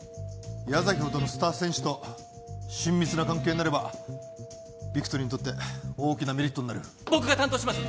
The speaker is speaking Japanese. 矢崎ほどのスター選手と親密な関係になればビクトリーにとって大きなメリットになる僕が担当します